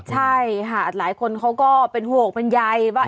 ใช่หลายคนเขาก็เป็นห่วงบรรยายว่า